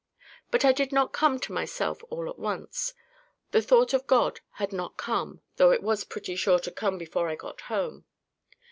But I did not come to myself all at once. The thought of God had not come, though it was pretty sure to come before I got home.